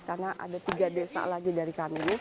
karena ada tiga desa lagi dari kami